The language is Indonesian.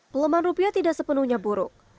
pelemahan rupiah tidak sepenuhnya buruk